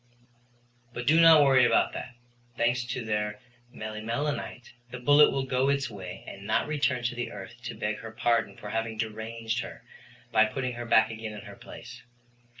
But do not worry about that. Thanks to their melimelonite, the bullet will go its way and not return to the earth to beg her pardon for having deranged her by putting her back again in her place.